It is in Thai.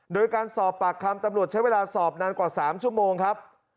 โดยการสอบปากคำตำรวจใช้เวลาสอบนานกว่า๓ชั่วโมงครับ